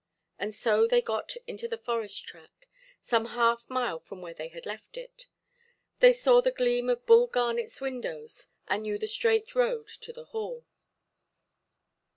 And so they got into the forest–track, some half mile from where they had left it; they saw the gleam of Bull Garnetʼs windows, and knew the straight road to the Hall.